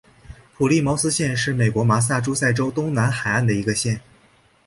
普利茅斯县是美国麻萨诸塞州东南海岸的一个县。